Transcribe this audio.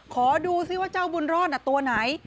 ขอดูซิว่าเจ้าบุญรอดตัวไหน